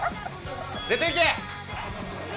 出て行け！